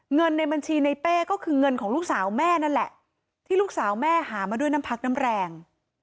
เงินในบัญชีในเป้ก็คือเงินของลูกสาวแม่นั่นแหละที่ลูกสาวแม่หามาด้วยน้ำพักน้ำแรง